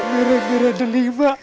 berat berat ada lima